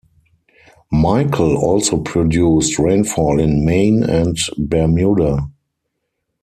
Michael also produced rainfall in Maine and Bermuda.